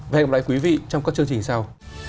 và hẹn gặp lại quý vị trong các chương trình sau